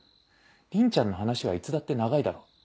鈴ちゃんの話はいつだって長いだろう。